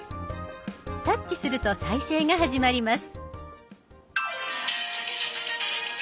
タッチすると再生が始まります。